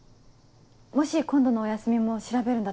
もし今度のお休みも調べるんだったら。